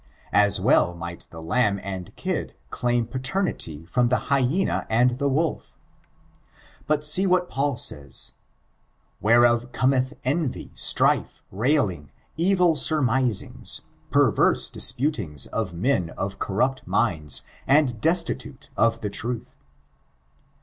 As well might the lamb and kid claim paternity from the hyena and the wolf. But see what Paul says; — "Whereof Cometh envy, strife, railing, evil surmisings, perverse disputings of men of corrupt minds and destitute of the truth.''